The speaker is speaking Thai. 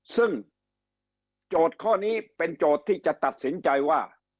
ซึ่งโจทย์ข้อนี้เป็นโจทย์ที่จะตัดสินใจว่า